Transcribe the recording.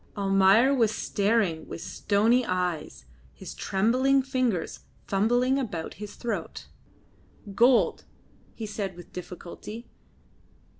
Almayer was staring with stony eyes, his trembling fingers fumbling about his throat. "Gold," he said with difficulty.